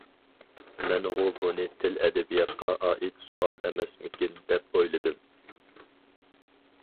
مەنغۇ بۇنى تىل-ئەدەبىياتقا ئائىت سوئال ئەمەسمىكىن، دەپ ئويلىدىم.